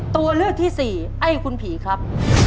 ตัวเลือกที่สี่ไอ้คุณผีครับ